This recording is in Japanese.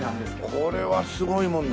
これはすごいもんだね。